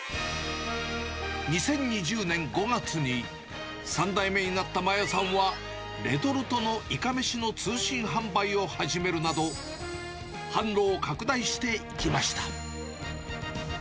２０２０年５月に３代目になった麻椰さんは、レトルトのいかめしの通信販売を始めるなど、販路を拡大していきました。